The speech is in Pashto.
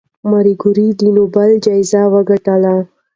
ماري کوري د نوبل جایزه وګټله.